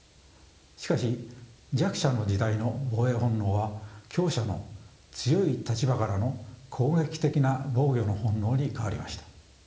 しかし弱者の時代の防衛本能は強者の強い立場からの攻撃的な防御の本能に変わりました。